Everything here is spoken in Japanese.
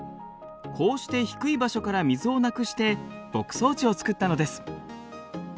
こうして低い場所から水をなくして牧草地を作ったのです。